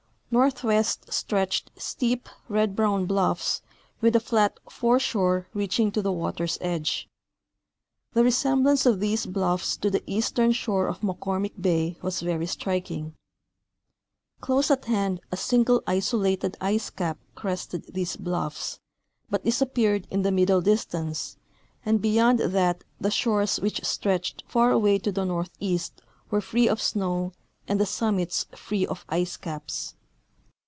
Northwest stretched steep, red broAvn bluffs with a flat foreshore reaching to the water's edge. The resemblance of these bluffs to the eastern shore of McCormick bay was ver} striking. Close at hand a single isolated ice cap crested these bluffs, but disap peared in the middle distance, and beyond that the shores which stretched far away to the northeast were free of snow and the summits free of ice caps.